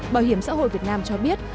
bảo hiểm xã hội việt nam cho biết